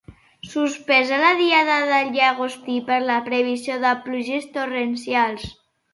Suspesa la diada del llagostí per la previsió de pluges torrencials